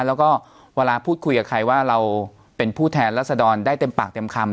แล้วก็เวลาพูดคุยกับใครว่าเราเป็นผู้แทนรัศดรได้เต็มปากเต็มคำ